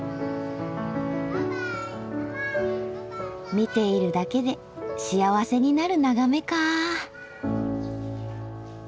見ているだけで幸せになる眺めか。